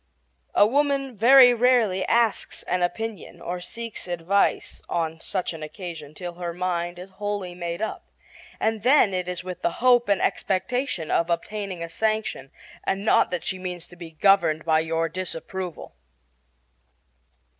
A woman very rarely asks an opinion or seeks advice on such an occasion till her mind is wholly made up, and then it is with the hope and expectation of obtaining a sanction, and not that she means to be governed by your disapproval.